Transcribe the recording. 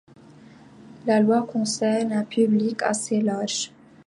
La loi concerne un public assez large.